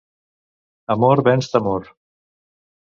Amor venç temor.